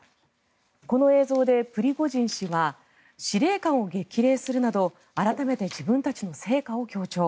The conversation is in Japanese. この映像でプリゴジン氏は司令官を激励するなど改めて自分たちの成果を強調。